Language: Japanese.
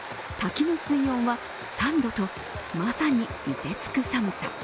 滝の水温は３度と、まさに、いてつく寒さ。